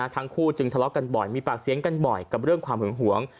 ทั้งคู่จึงทะเลาะกันบ่อยมีปากเสียงกันบ่อยกับเรื่องความหึงหวง